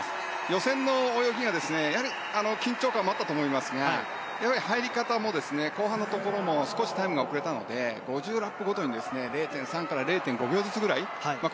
予選の泳ぎは緊張感もあったと思いますがやはり、入り方も後半のところも少しタイムが遅れたので５０ラップごとに０．５秒ずつぐらいは。